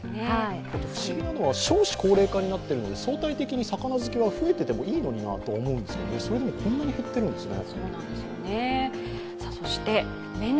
不思議なのは、少子高齢化になっているので魚好きは増えててもいいのになと思うんですけど、それでもこんなに減ってるんですね。